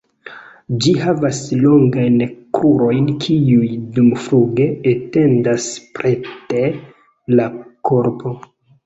Ĝi havas longajn krurojn kiuj dumfluge etendas preter la korpo.